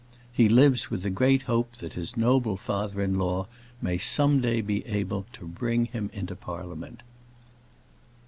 He lives with the great hope that his noble father in law may some day be able to bring him into Parliament.